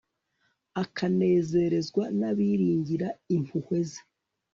akanezerezwa n'abiringira impuhwe ze